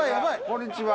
こんにちは。